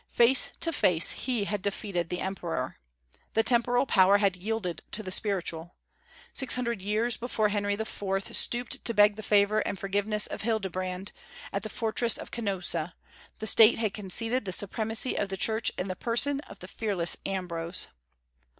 Face to face he had defeated the emperor. The temporal power had yielded to the spiritual. Six hundred years before Henry IV. stooped to beg the favor and forgiveness of Hildebrand, at the fortress of Canossa, the State had conceded the supremacy of the Church in the person of the fearless Ambrose.